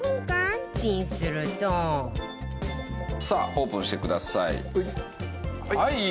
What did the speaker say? さあオープンしてください。